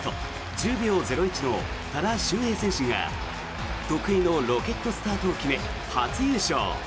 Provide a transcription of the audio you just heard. １０秒０１の多田修平選手が得意のロケットスタートを決め初優勝。